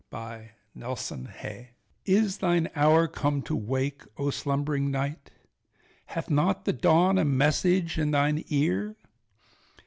IN SAN LORENZO IS thine hour come to wake, O slumbering Night? Hath not the Dawn a message in thine ear?